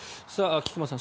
菊間さん